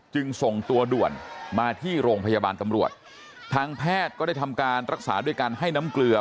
จึงส่งตัวด่วนมาที่โรงพยาบาลตำรวจทางแพทย์ก็ได้ทำการรักษาด้วยการให้น้ำเกลือ